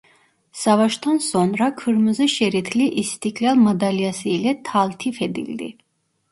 Savaştan sonra Kırmızı şeritli İstiklâl Madalyası ile taltif edildi.